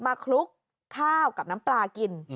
คลุกข้าวกับน้ำปลากิน